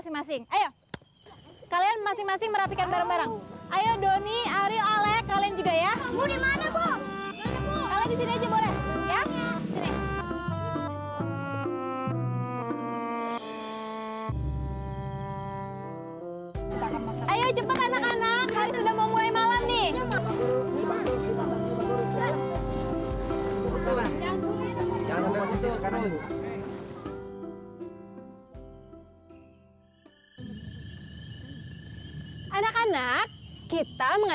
sampai jumpa di video selanjutnya